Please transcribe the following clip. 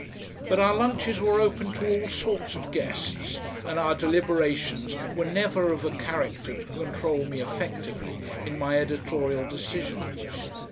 But our lunches were open to all sorts of guests, and our deliberations were never of a character to control me effectively in my editorial decisions.